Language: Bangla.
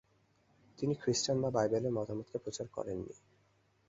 তিনি খ্রিস্টান বা বাইবেলের মতামতকে প্রচার করেননি।